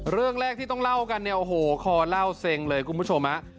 เรื่องแรกที่ต้องเล่ากันเนี่ยโอ้โหคอเล่าเซ็งเลยคุณผู้ชมฮะ